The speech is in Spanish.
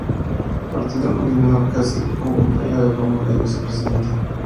El partido nominó a Castle de compañero de fórmula y vicepresidente.